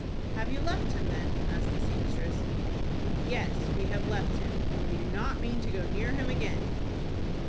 "Have you left him, then?" asked the seamstress. "Yes, we have left him, and we do not mean to go near him again."